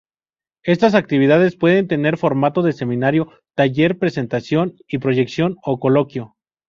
Estas actividades pueden tener formato de seminario, taller, presentación, proyección o coloquio.